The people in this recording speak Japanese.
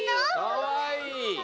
かわいい！